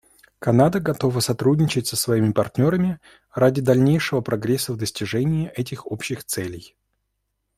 Канада готова сотрудничать со своими партнерами ради дальнейшего прогресса в достижении этих общих целей.